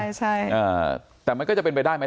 ใช่แต่มันก็จะเป็นไปได้ไหม